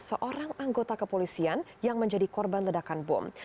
seorang anggota kepolisian yang menjadi korban ledakan bom